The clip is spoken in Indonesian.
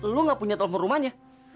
lu gak punya telepon rumahnya